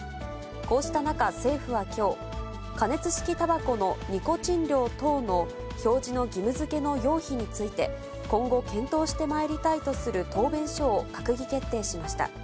こうした中、政府はきょう、加熱式たばこのニコチン量等の表示の義務づけの要否について、今後、検討してまいりたいとする答弁書を閣議決定しました。